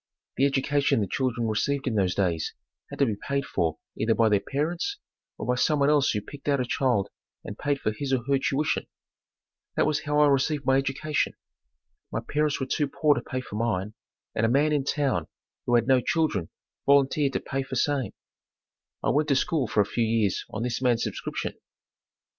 The education the children received in those days had to be paid for either by their parents or by someone else who picked out a child and paid for his or her tuition. That was how I received my education. My parents were too poor to pay for mine, and a man in town, who had no children volunteered to pay for same. I went to school for a few years on this man's subscription.